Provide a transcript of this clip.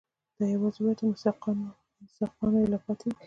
دی یواځي ووت، میثاقونه یې لا پاتې دي